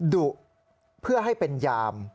ดุเพื่อให้เป็นยาม